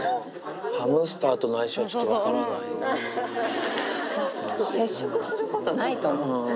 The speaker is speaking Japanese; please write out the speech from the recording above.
ハムスター接触することないと思うんです。